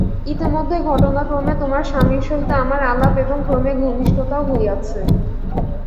ইতিমধ্যে ঘটনাক্রমে তোমার স্বামীর সহিত আমার আলাপ এবং ক্রমে ঘনিষ্ঠতাও হইয়াছে।